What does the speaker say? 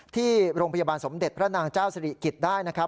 ที่โรงพยาบาลสมเด็จพระนางเจ้าสิริกิจได้นะครับ